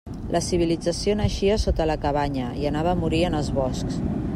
La civilització naixia sota la cabanya i anava a morir en els boscs.